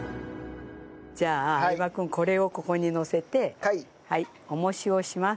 じゃあ相葉君これをここにのせて重しをします。